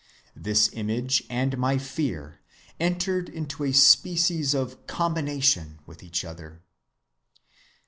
This image and my fear entered into a species of combination with each other.